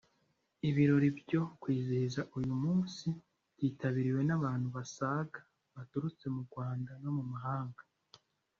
Ibirori byo kwizihiza uyu munsi byitabiriwe n abantu basaga baturutse mu Rwanda no mumahanga